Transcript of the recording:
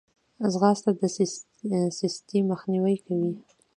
ځغاسته د سستي مخنیوی کوي